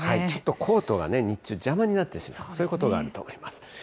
ちょっとコートが日中、邪魔になってしまう、そういうことがあると思います。